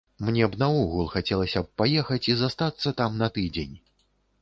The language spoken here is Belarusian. Мне б наогул хацелася б паехаць і застацца там на тыдзень.